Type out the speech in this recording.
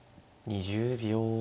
２０秒。